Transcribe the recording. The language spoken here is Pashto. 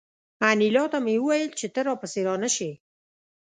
انیلا ته مې وویل چې ته را پسې را نشې